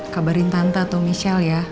kabarin tante atau michelle ya